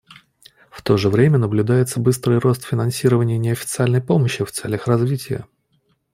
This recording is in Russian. В то же время наблюдается быстрый рост финансирования неофициальной помощи в целях развития.